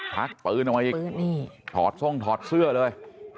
พักปืนออกมาอีกถอดทรงถอดเสื้อเลย